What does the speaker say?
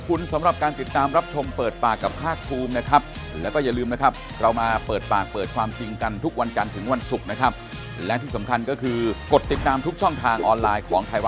กลับตาดูกันต่อไปการเมืองทาย